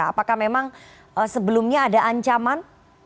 apakah memang sebelumnya ada ancaman